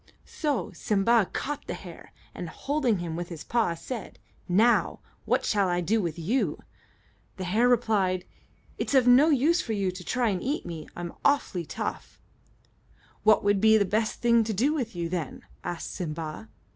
So Simba caught the hare, and, holding him with his paw, said, "Now, what shall I do with you?" The hare replied, "It's of no use for you to try to eat me; I'm awfully tough." "What would be the best thing to do with you, then?" asked Simba.